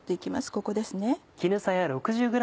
ここですね。